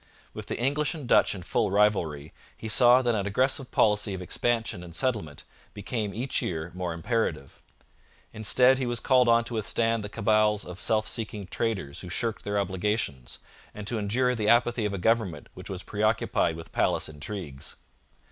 With the English and Dutch in full rivalry, he saw that an aggressive policy of expansion and settlement became each year more imperative. Instead, he was called on to withstand the cabals of self seeking traders who shirked their obligations, and to endure the apathy of a government which was preoccupied with palace intrigues.